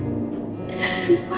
bentar ibu ya